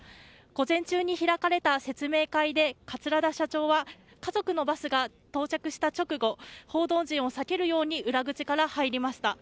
午前中に開かれた説明会で桂田社長は家族のバスが到着した直後報道陣を避けるように裏口から入りました。